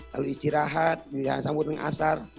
lalu istirahat sambut mengasar